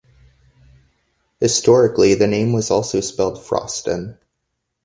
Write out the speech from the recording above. Historically, the name was also spelled "Frosten".